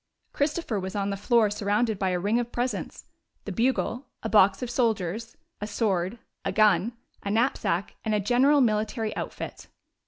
Christopher was on the floor surrounded by a ring of presents — the bugle, a box of soldiers, a sword, a gun, a knapsack and a general military outfit.